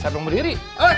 saya belum berdiri